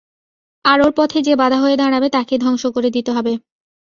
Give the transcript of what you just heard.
আর ওর পথে যে বাধা হয়ে দাঁড়াবে তাকেই ধ্বংস করে দিতে হবে!